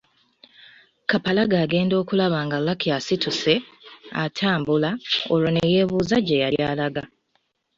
Kapalaga agenda okulaba nga Lucky asituse, atambula, olwo ne yeebuuza gye yali alaga.